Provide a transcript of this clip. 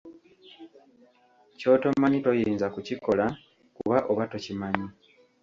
Ky'otomanyi toyinza kukikola kuba oba tokimanyi.